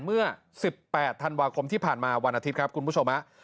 เมื่อ๑๘ธันวาคมที่ผ่านมาวันอาทิตย์ครับคุณผู้ชมฮะ